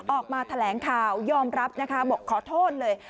ออกมาแถลงข่าวยอมรับนะคะบอกขอโทษเลย